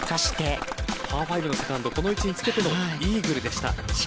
パー５のセカンドこの位置につけてのイーグルでした。